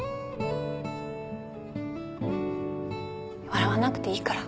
笑わなくていいから。